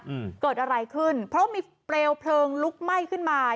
อืมเกิดอะไรขึ้นเพราะมีเปลวเพลิงลุกไหม้ขึ้นมา